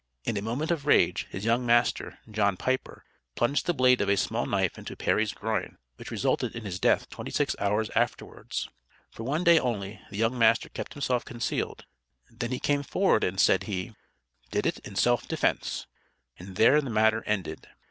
In a moment of rage, his young master, John Piper, plunged the blade of a small knife into Perry's groin, which resulted in his death twenty six hours afterwards. For one day only the young master kept himself concealed, then he came forward and said he "did it in self defense," and there the matter ended.